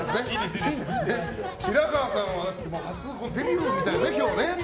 白河さんは初デビューみたいなね、今日。